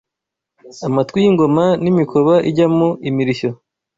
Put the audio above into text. Amatwi y’ingoma n' Imikoba ijyamo imirishyo